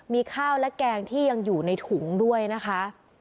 มีข้าวและแกงที่ยังอยู่ในถุงด้วยนะคะ